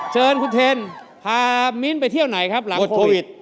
เชิญคุณเทนพามิ้นท์ไปเที่ยวไหนครับหลังโควิด